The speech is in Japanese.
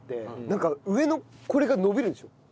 なんか上のこれが伸びるでしょ？